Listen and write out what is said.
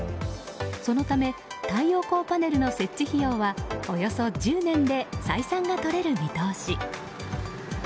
そのため太陽光パネルの設置費用はおよそ１０年で採算がとれる見通し。